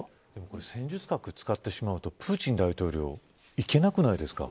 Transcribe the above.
でも、戦術核を使ってしまうとプーチン大統領行けなくないですか。